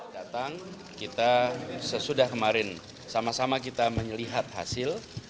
datang kita sesudah kemarin sama sama kita menyelihat hasil